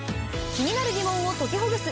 気になるギモンを解きほぐす。